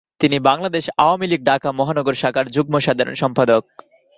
তিনি বাংলাদেশ আওয়ামী লীগ ঢাকা মহানগর শাখার যুগ্ম সাধারণ সম্পাদক।